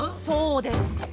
そうです。